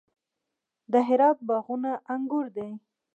د هرات باغونه انګور دي